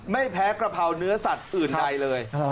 ไม่แพ้กระเพราเนื้อสัตว์อื่นใดเลย